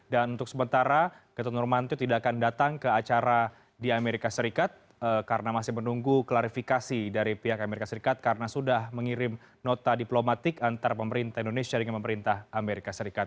dan untuk sementara getut nurmantio tidak akan datang ke acara di amerika serikat karena masih menunggu klarifikasi dari pihak amerika serikat karena sudah mengirim nota diplomatik antara pemerintah indonesia dengan pemerintah amerika serikat